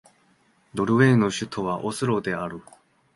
ノルウェーの首都はオスロである